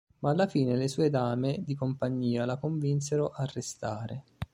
Ma alla fine le sue dame di compagnia la convinsero a restare.